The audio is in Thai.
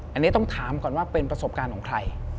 อันนี้ต้องถามก่อนว่าเป็นประสบการณ์ของใคร